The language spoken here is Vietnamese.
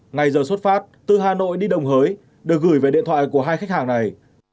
ngày giờ xuất phát từ hà nội đi đồng hới được gửi về điện thoại của hai khách hàng này